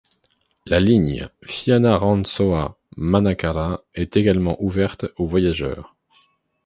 La ligne Fianarantsoa-Manakara est également ouverte aux voyageurs.